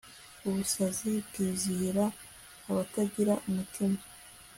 ubusazi bwizihira abatagira umutima